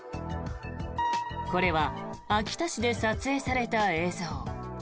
これは秋田市で撮影された映像。